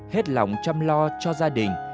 hết lòng chăm lo cho gia đình